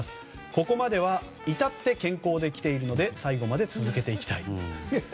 ここまではいたって健康で来ているので最後まで続けていきたいと。